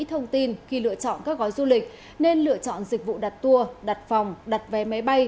thông tin khi lựa chọn các gói du lịch nên lựa chọn dịch vụ đặt tour đặt phòng đặt vé máy bay